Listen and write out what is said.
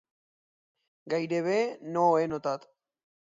Gairebé no ho he notat.